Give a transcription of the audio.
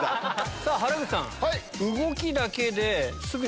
さぁ原口さん。